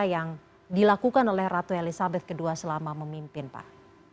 yang dilakukan oleh ratu elizabeth ii selama memimpin pak